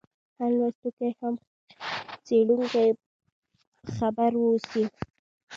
هم لوستونکی هم څېړونکی په خبر واوسي.